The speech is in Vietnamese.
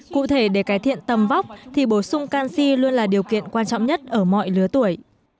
cụ thể để cải thiện tâm vóc thì bổ sung canxi luôn là điều kiện quan trọng nhất ở mọi lứa tuổi